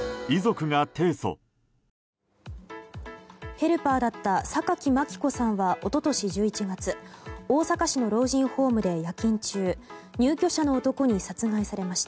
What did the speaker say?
ヘルパーだった榊真希子さんは一昨年１１月大阪市の老人ホームで夜勤中入居者の男に殺害されました。